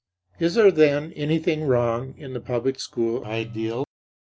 Is there then anything wrong in the public school ideal?